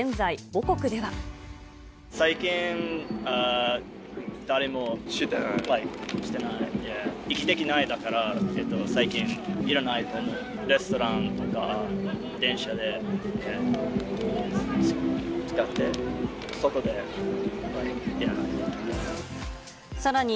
息できないから、最近いらない、レストランとか電車で使って、外で、いらない。